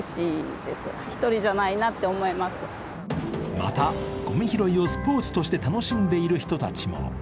また、ごみ拾いをスポーツとして楽しんでいる人たちも。